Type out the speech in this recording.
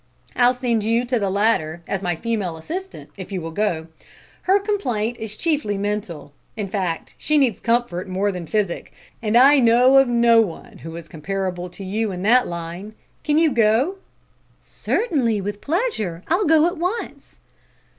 I'll send you to the latter as my female assistant, if you will go. Her complaint is chiefly mental. In fact, she needs comfort more than physic, and I know of no one who is comparable to you in that line. Can you go?" "Certainly, with pleasure. I'll go at once."